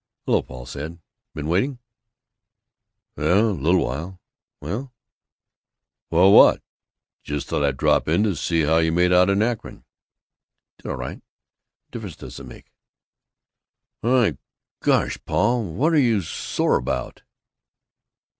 "Hello," Paul said. "Been waiting?" "Yuh, little while." "Well?" "Well what? Just thought I'd drop in to see how you made out in Akron." "I did all right. What difference does it make?" "Why, gosh, Paul, what are you sore about?"